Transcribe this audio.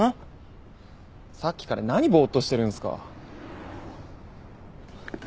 さっきから何ぼっとしてるんすか。